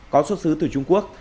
có xuất xứ từ trung quốc